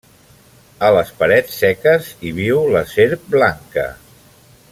A les parets seques hi viu la serp blanca.